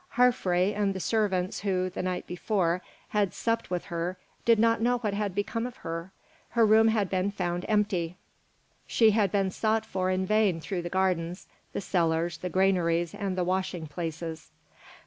Harphre and the servants who, the night before, had supped with her, did not know what had become of her; her room had been found empty; she had been sought for in vain through the gardens, the cellars, the granaries, and the washing places.